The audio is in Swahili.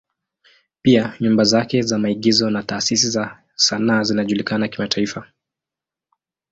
Pia nyumba zake za maigizo na taasisi za sanaa zinajulikana kimataifa.